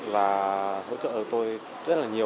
và hỗ trợ tôi rất là nhiều